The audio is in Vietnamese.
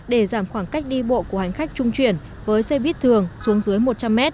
để giảm khoảng cách đi bộ của hành khách trung chuyển với xe buýt thường xuống dưới một trăm linh m